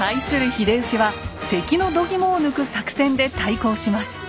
秀吉は敵のどぎもを抜く作戦で対抗します。